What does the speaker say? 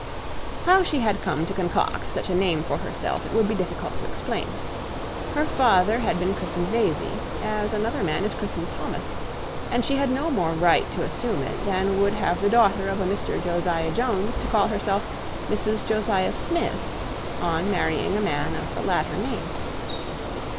How she had come to concoct such a name for herself it would be difficult to explain. Her father had been christened Vesey, as another man is christened Thomas; and she had no more right to assume it than would have the daughter of a Mr Josiah Jones to call herself Mrs Josiah Smith, on marrying a man of the latter name.